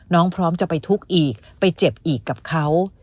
พร้อมจะไปทุกข์อีกไปเจ็บอีกกับเขา